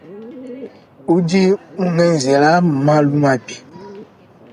Udi mungenzela malumabi.